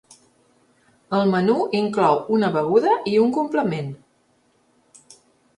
El menú inclou una beguda i un complement.